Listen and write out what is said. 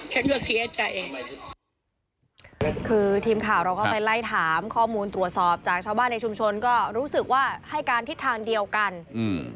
ฉันก็เสียใจคือทีมข่าวเราก็ไปไล่ถามข้อมูลตรวจสอบจากชาวบ้านในชุมชนก็รู้สึกว่าให้การทิศทางเดียวกันอืม